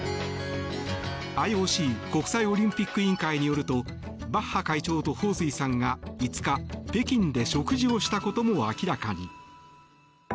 ＩＯＣ・国際オリンピック委員会によるとバッハ会長とホウ・スイさんが５日、北京で食事をしたことも明らかに。